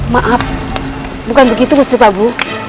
maaf bukan begitu guci prabu